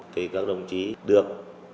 thì các đồng chí được